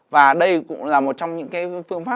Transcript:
và đây cũng là một trong những phương pháp